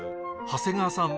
長谷川さん